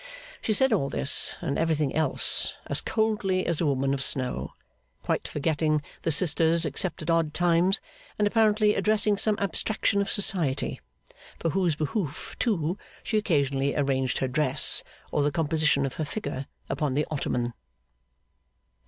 She said all this, and everything else, as coldly as a woman of snow; quite forgetting the sisters except at odd times, and apparently addressing some abstraction of Society; for whose behoof, too, she occasionally arranged her dress, or the composition of her figure upon the ottoman.